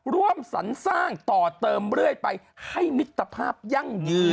ร่วมสรรสร้างต่อเติมเรื่อยไปให้มิตรภาพยั่งยืน